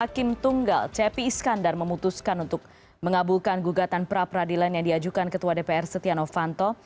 hakim tunggal cepi iskandar memutuskan untuk mengabulkan gugatan pra peradilan yang diajukan ketua dpr setia novanto